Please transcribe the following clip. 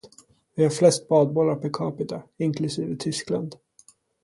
Vi har flest badbollar per capita, inklusive Tyskland.